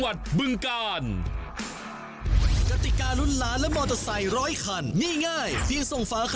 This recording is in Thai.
ยังแล้วยังค่ะอีกนิดนิดเดียวมาไหมมาเรียกมาเรียกมาเรียกยังไม่ได้นะโอ้โหลุ้นมากมาได้แล้วค่ะ